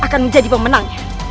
akan menjadi pemenangnya